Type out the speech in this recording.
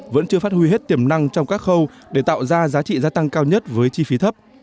vẫn chưa phát huy hết tiềm năng trong các khâu để tạo ra giá trị gia tăng cao nhất với chi phí thấp